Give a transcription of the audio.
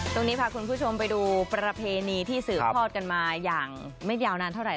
ตรงนี้พาคุณผู้ชมไปดูประเพณีที่สืบทอดกันมาอย่างไม่ยาวนานเท่าไห